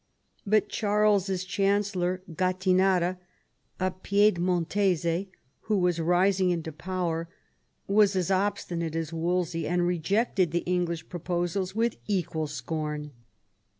But Charles's chancellor, Gattinara^ a Piedmontese, who was rising into power, was as obstinate as Wolsey, and rejected the English proposals with equal scorn.